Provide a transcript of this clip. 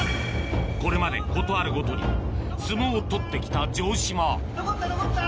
これまで事あるごとに相撲を取ってきた城島のこったのこった！